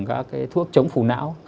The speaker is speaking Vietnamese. các cái thuốc chống phù não